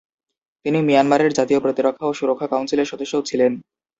তিনি মিয়ানমারের জাতীয় প্রতিরক্ষা ও সুরক্ষা কাউন্সিলের সদস্যও ছিলেন।